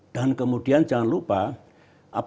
dan kemudian jangan lupa apa yang terjadi di dunia ini